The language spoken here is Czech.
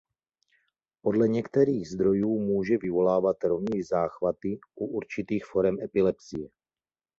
Podle některých zdrojů může vyvolávat rovněž záchvaty u určitých forem epilepsie.